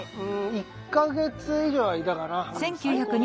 １か月以上はいたかな。